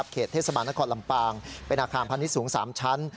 เขตเทศบาลนครลำปางเป็นอาคารพาณิชย์สูง๓ชั้น